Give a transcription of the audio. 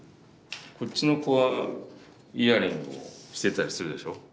こっちの子はイヤリングをしてたりするでしょ？